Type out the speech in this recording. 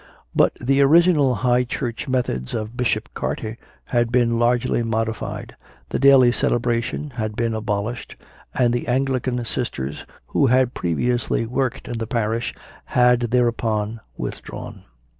But the original High Church methods of Bishop Carter had been largely modified, the daily celebration had been abolished, and the Anglican sisters, who had previously worked in the parish, had, thereupon, withdrawn.